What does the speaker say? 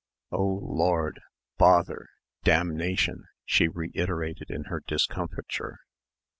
"Oh, Lord, bother, damnation," she reiterated in her discomfiture.